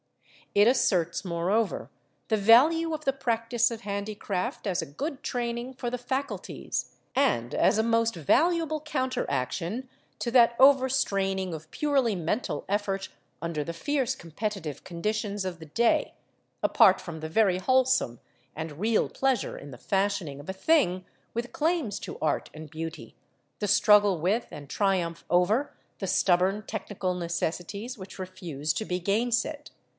It asserts, moreover, the value of the practice of handicraft as a good training for the faculties, and as a most valuable counteraction to that overstraining of purely mental effort under the fierce competitive conditions of the day; apart from the very wholesome and real pleasure in the fashioning of a thing with claims to art and beauty, the struggle with and triumph over the stubborn technical necessities which refuse to be gainsaid.